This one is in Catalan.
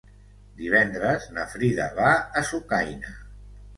Divendres na Frida va a Sucaina.